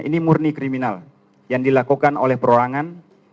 ini murni kriminal yang dilakukan oleh perorangan